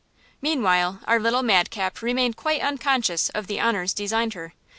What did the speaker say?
Meanwhile our little madcap remained quite unconscious of the honors designed her.